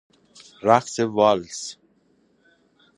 رقص والس